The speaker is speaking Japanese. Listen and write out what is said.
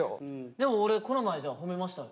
でも俺この前じゃあ褒めましたよ